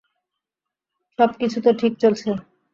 সবকিছুতো ঠিকই চলছে।